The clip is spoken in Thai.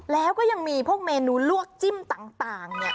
แล้วก็ยังมีพวกเมนูลวกจิ้มต่างเนี่ย